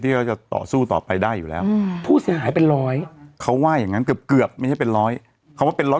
เขาจะให้ดูว่าภาพกอดอกใช่มั้ย